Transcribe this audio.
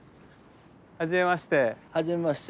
はじめまして。